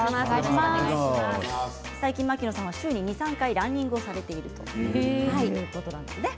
最近、牧野さんは週に２、３回ランニングをされているということです。